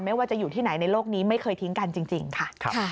ไม่ว่าจะอยู่ที่ไหนในโลกนี้ไม่เคยทิ้งกันจริงค่ะ